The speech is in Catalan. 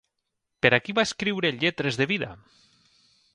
Per a qui va escriure Lletres de Vida?